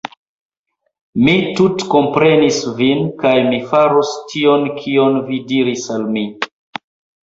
Mi tutkomprenis vin, kaj mi faros tion kion vi diris al mi